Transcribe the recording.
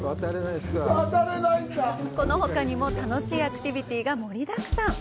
このほかにも楽しいアクティビティが盛りだくさん。